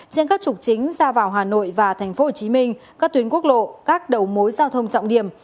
trên các trục chính ra vào hà nội và tp hcm các tuyến quốc lộ các đầu mối giao thông trọng điểm